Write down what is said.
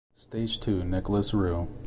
Stage two Nicolas Roux.